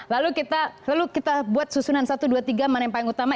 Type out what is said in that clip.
lalu kita buat susunan satu dua tiga mana yang paling utama